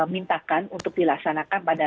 mintakan untuk dilaksanakan pada